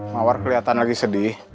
mawar kelihatan lagi sedih